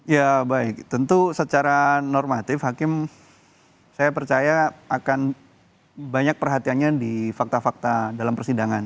ya baik tentu secara normatif hakim saya percaya akan banyak perhatiannya di fakta fakta dalam persidangan